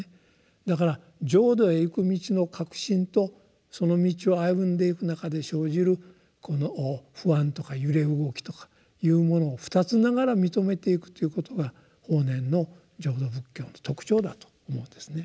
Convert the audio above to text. だから浄土へ行く道の確信とその道を歩んでいく中で生じる不安とか揺れ動きとかというものをふたつながら認めていくということが法然の浄土仏教の特徴だと思うんですね。